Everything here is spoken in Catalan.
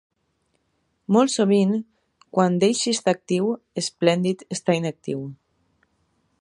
Molt sovint, quan Daisy està actiu, Splendid està inactiu.